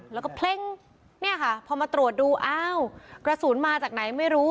แล้วก็เพ่งเนี่ยค่ะพอมาตรวจดูอ้าวกระสุนมาจากไหนไม่รู้